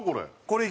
これ。